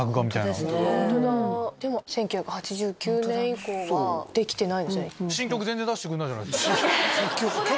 １９８９年以降はできてない。